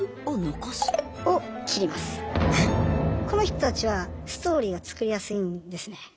この人たちはストーリーが作りやすいんですね。